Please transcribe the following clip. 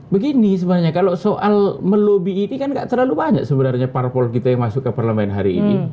begini sebenarnya kalau soal melobi ini kan tidak terlalu banyak sebenarnya parpol kita yang masuk ke parlemen hari ini